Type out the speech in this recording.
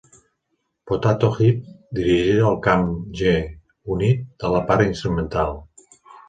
Potato Head", dirigida al camp G-Unit de la part instrumental.